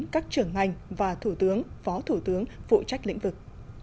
các trưởng ngành và thủ tướng phó thủ tướng phụ trách lĩnh vực